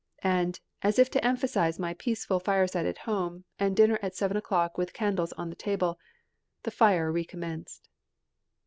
And, as if to emphasise my peaceful fireside at home, and dinner at seven o'clock with candles on the table, the fire re commenced.